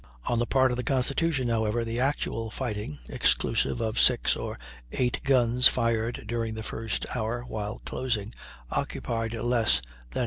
On the part of the Constitution, however, the actual fighting, exclusive of six or eight guns fired during the first hour, while closing, occupied less than 30 minutes.